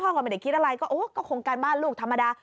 ก็ไม่ได้คิดอะไรก็โอ้ก็โครงการบ้านลูกธรรมดา